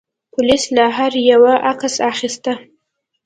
پولیس له هر یوه عکس اخیسته.